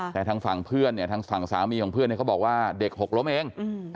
แต่ทางฝั่งสามีของเพื่อนเขาบอกว่าเด็กหกล้มเอง